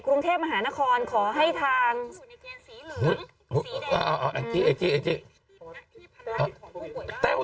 กล้องกว้างอย่างเดียว